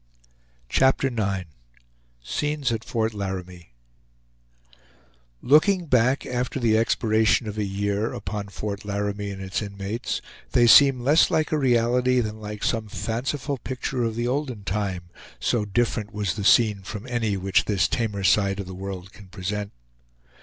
CHAPTER IX SCENES AT FORT LARAMIE Looking back, after the expiration of a year, upon Fort Laramie and its inmates, they seem less like a reality than like some fanciful picture of the olden time; so different was the scene from any which this tamer side of the world can present.